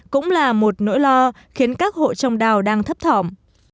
cũng là một nỗi lo khiến các hộ trồng đào đang thấp thỏm